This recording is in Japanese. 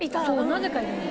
なぜかいるの。